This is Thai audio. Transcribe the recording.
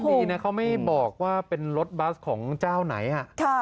ดีนะเขาไม่บอกว่าเป็นรถบัสของเจ้าไหน